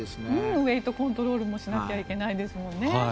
ウエイトコントロールもしないといけないですよね。